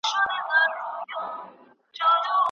موږ بايد د حقايقو په موندلو کي پوره دقت وکړو.